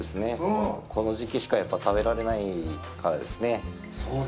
この時期しか食べられないからですね。